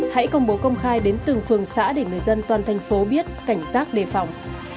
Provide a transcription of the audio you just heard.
hãy công bố công khai đến từng phường xã để người dân toàn thành phố biết cảnh giác đề phòng